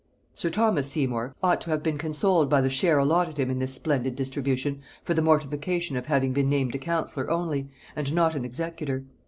Sir Thomas Seymour ought to have been consoled by the share allotted him in this splendid distribution, for the mortification of having been named a counsellor only, and not an executor.